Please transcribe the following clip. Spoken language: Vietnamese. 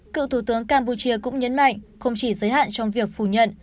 cựu thủ tướng campuchia cũng nhấn mạnh không chỉ giới hạn trong việc phủ nhận